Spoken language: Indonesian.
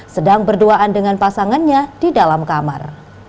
sedang berduaan dengan pasangannya di dalam kamar